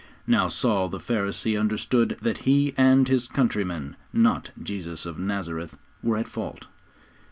Now Saul the Pharisee understood that he and his countrymen, not Jesus of Nazareth, were at fault.